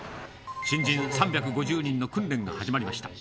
新人３５０人の訓練が始まりました。